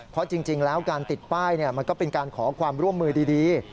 เพราะจริงแล้วการติดป้ายมันก็เป็นการขอความร่วมมือดี